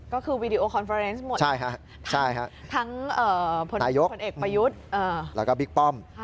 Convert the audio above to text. ก็คือวีดีโอคอนเฟอร์เนสหมดทั้งผลเอกประยุทธ์แล้วก็บิ๊กป้อม